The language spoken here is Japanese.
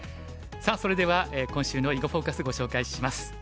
さあそれでは今週の「囲碁フォーカス」ご紹介します。